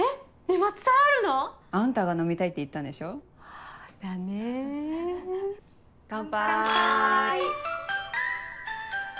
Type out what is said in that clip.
松祭あるの？あんたが飲みたいって言ったんでしょ。だね。乾杯！